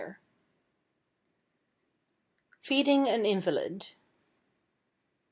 =Feeding an Invalid.